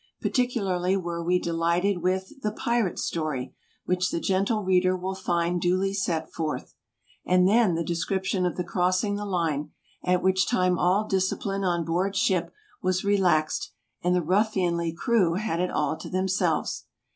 Particularly were we delighted with the ''Pirate Story/' which the gentle reader will find duly set forth. And then the description of the crossing the line, at which time all discipline on board ship was relaxed and the ruffianly crew had it all to themselves.